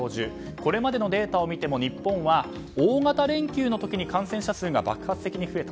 これまでのデータを見ても日本は大型連休の時に感染者数が爆発的に増えた。